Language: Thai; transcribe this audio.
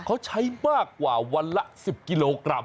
เขาใช้มากกว่าวันละ๑๐กิโลกรัม